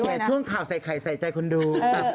เฮ่ยเพิ่งดูโดยข่าวใส่ไข่ใส่ใจคุณดู